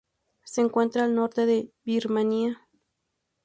Se encuentra al norte de Birmania.